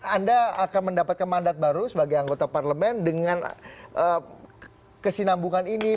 anda akan mendapatkan mandat baru sebagai anggota parlemen dengan kesinambungan ini